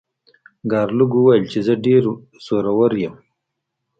ګارلوک وویل چې زه ډیر زورور یم.